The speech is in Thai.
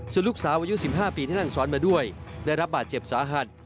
ส่วนลูกสาวอายุ๑๕ปีที่นั่งซ้อนมาด้วยได้รับบาดเจ็บสาหัส